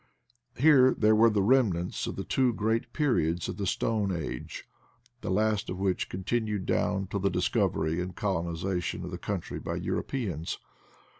Here there were the remains of the two great periods of the Stone Age, the last of which continued down till the discovery and colonization of the country by Europeans.